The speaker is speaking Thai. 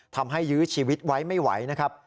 ยื้อชีวิตไว้ไม่ไหวนะครับ